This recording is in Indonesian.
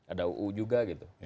ada uu juga gitu